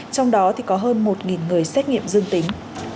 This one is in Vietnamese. trong đó thì có hơn một người xét nghiệm dương tính